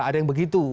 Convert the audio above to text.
ada yang begitu